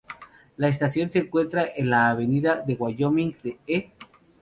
La estación se encuentra en la Avenida de Wyoming de e.